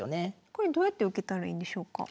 これどうやって受けたらいいんでしょうか？